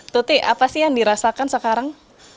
tuti apa sih yang dirasakan sekarang